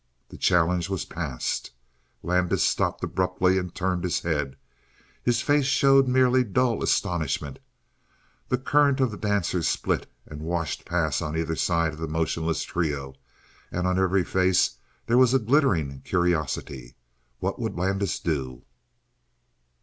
The challenge was passed. Landis stopped abruptly and turned his head; his face showed merely dull astonishment. The current of dancers split and washed past on either side of the motionless trio, and on every face there was a glittering curiosity. What would Landis do?